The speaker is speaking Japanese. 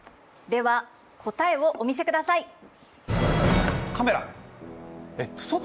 では答えをお見せください。